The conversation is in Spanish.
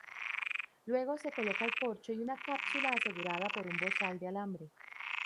Luego se coloca el corcho y una cápsula asegurada por un bozal de alambre.